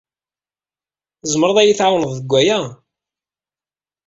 Tzemred ad iyi-tɛawned deg waya?